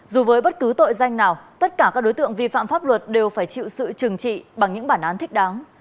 dù với bất cứ tội danh nào tất cả các đối tượng vi phạm pháp luật đều phải chịu sự trừng trị bằng những bản án thích đáng